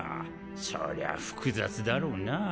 そりゃ複雑だろうな。